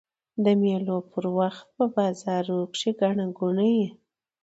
د مېلو پر وخت په بازارو کښي ګڼه ګوڼه يي.